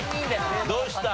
どうした？